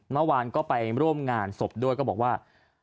เมื่อวานก็ไปร่วมงานศพด้วยก็บอกว่า